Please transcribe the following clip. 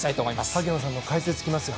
萩野さんの解説が聞けますよ。